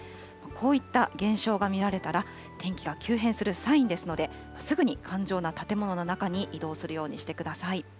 こういった現象が見られたら、天気が急変するサインですので、すぐに頑丈な建物の中に移動するようにしてください。